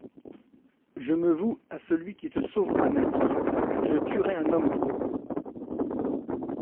Je me voue à celui qui te sauvera, Nasie ! je tuerai un homme pour lui.